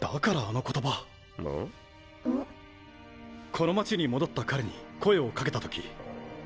この街に戻った彼に声をかけた時。